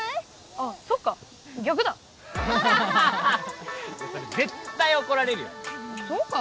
あっそっか逆だそれ絶対怒られるよそうか？